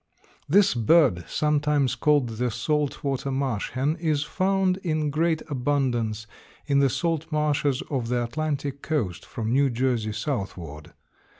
_) This bird, sometimes called the salt water marsh hen, is found in great abundance in the salt marshes of the Atlantic coast from New Jersey southward.